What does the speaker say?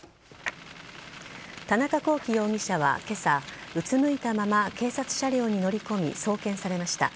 田中聖容疑者は今朝うつむいたまま警察車両に乗り込み送検されました。